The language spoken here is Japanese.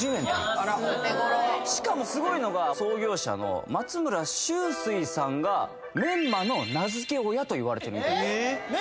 あらお手ごろしかもすごいのが創業者の松村秋水さんがメンマの名付け親といわれてるんですえーっ！？